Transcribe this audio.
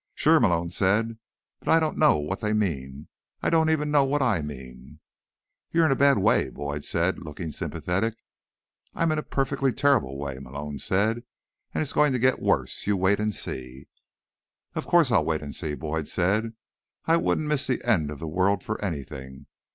"Sure," Malone said. "But I don't know what they mean. I don't even know what I mean." "You're in a bad way," Boyd said, looking sympathetic. "I'm in a perfectly terrible way," Malone said, "and it's going to get worse. You wait and see." "Of course I'll wait and see," Boyd said. "I wouldn't miss the end of the world for anything.